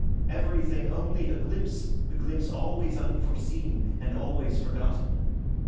Everything only a glimpse, the glimpse always unforeseen, and always forgotten.